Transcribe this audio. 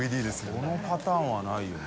このパターンはないよな。